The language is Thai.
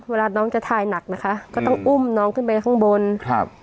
เวลาน้องจะทายหนักนะคะก็ต้องอุ้มน้องขึ้นไปข้างบนครับ